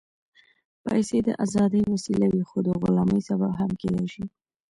پېسې د ازادۍ وسیله وي، خو د غلامۍ سبب هم کېدای شي.